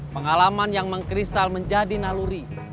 pengalaman yang mengkristal menjadi naluri